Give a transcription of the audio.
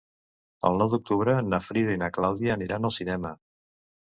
El nou d'octubre na Frida i na Clàudia aniran al cinema.